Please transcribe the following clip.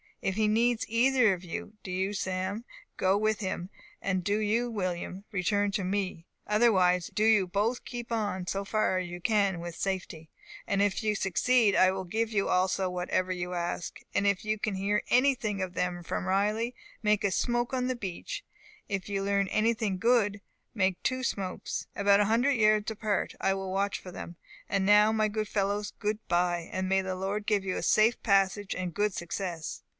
If he needs either of you, do you, Sam, go with him, and do you, William, return to me; otherwise do you both keep on so far as you can with safety, and if you succeed, I will give you also whatever you ask. If you can hear anything of them from Riley, make a smoke on the beach; if you learn anything good make two smokes, about a hundred yards apart; I will watch for them. And now, my good fellows, good bye! and may the Lord give you a safe passage and good success!